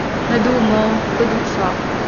Na duh maw? Ka duh sawk.